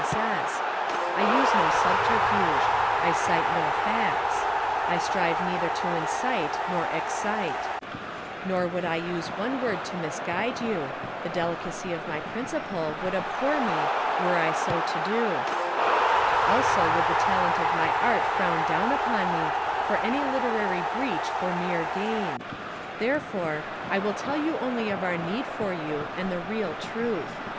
S. S. I use no subterfuge; I cite no facts; I strive neither to incite nor excite; nor would I use one word to misguide you — the delicacy of my principle would abhor me were I to so do ; also would the talent of my art frown down upon me for any literary breach for mere gain; there for, I will tell you only of our need for you and the real truth.